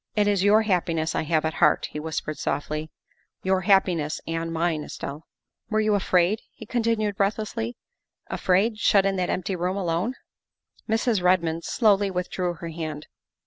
" It is your happiness I have at heart," he whispered softly, " your happiness and mine, Estelle. " Were you afraid," he continued breathlessly, " afraid, shut in that empty room alone?" Mrs. Redmond slowly withdrew her hand.